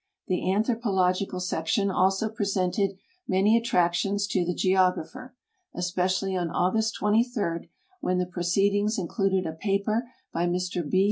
The Anthropological Section also presented many attractions to the geographer, especially on August 23, when the proceed ings included a paper by Mr B.